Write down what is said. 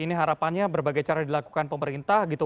ini harapannya berbagai cara dilakukan pemerintah gitu